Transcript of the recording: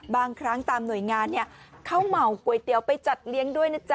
บางครั้งตามหน่วยงานเขาเหมาก๋วยเตี๋ยวไปจัดเลี้ยงด้วยนะจ๊